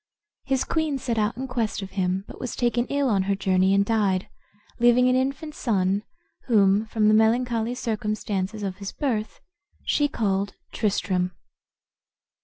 His queen set out in quest of him, but was taken ill on her journey, and died, leaving an infant son, whom, from the melancholy circumstances of his birth, she called Tristram.